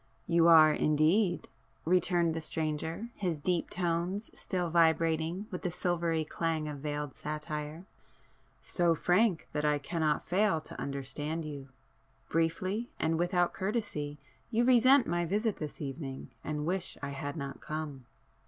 "You are indeed!" returned the stranger, his deep tones still vibrating with the silvery clang of veiled satire—"So frank that I cannot fail to understand you. Briefly, and without courtesy, you resent my visit this evening and wish I had not come!"